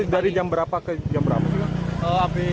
dari jam berapa ke jam berapa